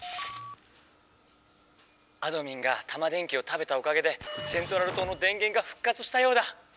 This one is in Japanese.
あどミンがタマ電Ｑを食べたおかげでセントラル島の電げんがふっ活したようだ。